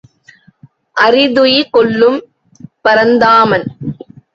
அறிதுயி கொள்ளும் பரந்தாமன்.